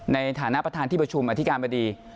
ในถัฐานที่ประชุมอธิการมาดี